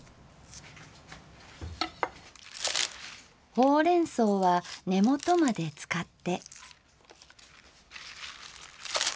ほうれん草は根元まで使って。